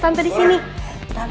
tante juga seneng banget ketemu kamu